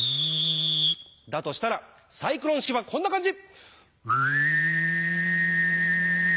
だとしたらサイクロン式はこんな感じ！